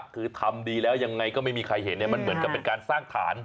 คือทำดีแล้วยังไงก็ไม่มีใครเห็นมันเหมือนกับเป็นการสร้างฐาน